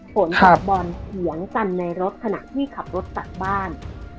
ฝนแล้วกับบอนเถียงจันในรถขนาดที่ขับรถตรับบ้าน